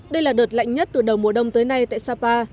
đây là đợt lạnh nhất từ đầu mùa đông tới nay tại sapa